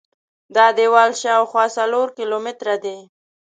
دا دیوال شاوخوا څلور کیلومتره دی.